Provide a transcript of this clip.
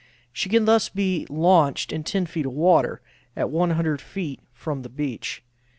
She can thus be launched in 10 feet of water at 100 feet from the beach.